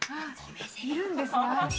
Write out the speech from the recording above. いるんですね。